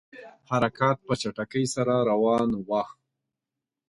حرکات په چټکۍ سره روان وه.